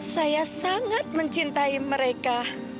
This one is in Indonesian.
saya sangat mencintai mereka